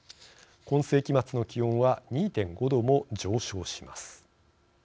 今世紀末の気温は２．５℃も上昇します。